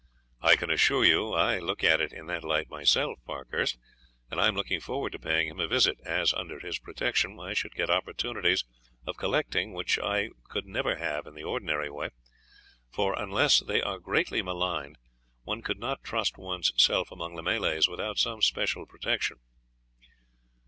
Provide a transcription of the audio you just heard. "I can assure you I look at it in that light myself, Parkhurst, and I am looking forward to paying him a visit, as, under his protection, I should get opportunities of collecting which I could never have in the ordinary way; for, unless they are greatly maligned, one could not trust one's self among the Malays without some special protection."